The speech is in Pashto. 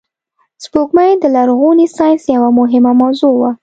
سپوږمۍ د لرغوني ساینس یوه مهمه موضوع وه